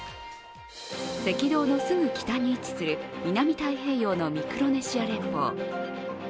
赤道のすぐ北に位置する南太平洋のミクロネシア連邦。